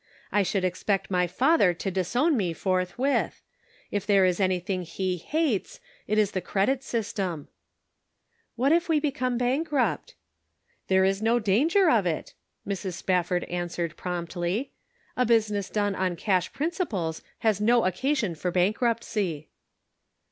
I should expect my father to disown me forthwith. If there is anything he hates it is the credit system." " What if we become bankrupt ?"" There is no danger of it," Mrs. Spafford answered promptly. "A business done on cash principles has no occasion for bankruptcy."